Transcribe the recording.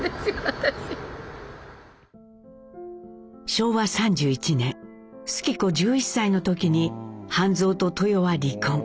昭和３１年主基子１１歳の時に畔三と豊は離婚。